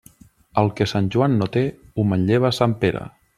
El que Sant Joan no té, ho manlleva a Sant Pere.